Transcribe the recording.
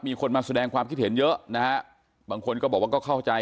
มีคนมาแสดงความคิดเห็นเยอะนะฮะบางคนก็บอกว่าก็เข้าใจ